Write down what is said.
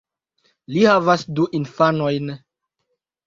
Li havas du infanojn.